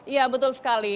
ya betul sekali